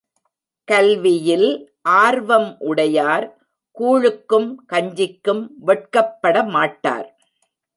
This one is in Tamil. கல்வியில் ஆர்வம் உடையார் கூழுக்கும் கஞ்சிக்கும் வெட்கப் படமாட்டார்.